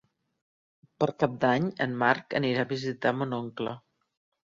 Per Cap d'Any en Marc anirà a visitar mon oncle.